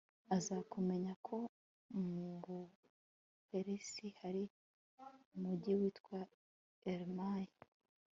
aza kumenya ko mu buperisi hari umugi witwa elimayi